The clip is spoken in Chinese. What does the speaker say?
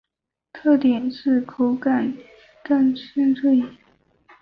特点是口感干香酥脆。